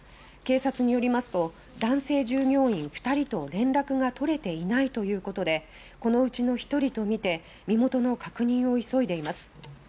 警察によりますと男性従業員２人と連絡が取れていないということでこのうちの１人と見て身元の確認を急いでいます。